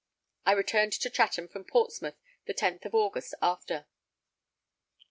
I returned to Chatham from Portsmouth the 10th of August after.